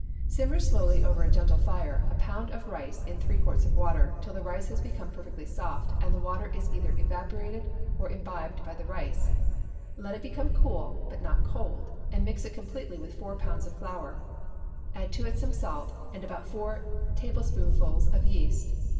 Simmer slowly, over a gentle fire, a pound of rice in three quarts of water, till the rice has become perfectly soft, and the water is either evaporated or imbibed by the rice: let it become cool, but not cold, and mix it completely with four pounds of flour; add to it some salt, and about four tablespoonfuls of yeast.